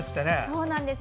そうなんです。